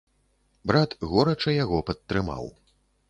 Брат горача яго падтрымаў.